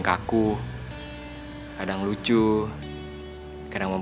jatuh dari langit